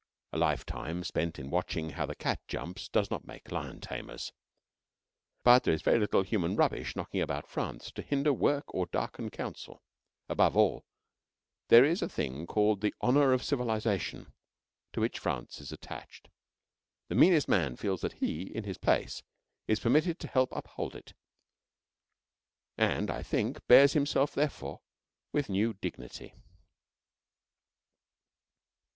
(A lifetime spent in watching how the cat jumps does not make lion tamers.) But there is very little human rubbish knocking about France to hinder work or darken counsel. Above all, there is a thing called the Honour of Civilization, to which France is attached. The meanest man feels that he, in his place, is permitted to help uphold it, and, I think, bears himself, therefore, with new dignity.